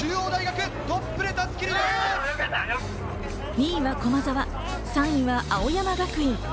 ２位は駒澤、３位は青山学院。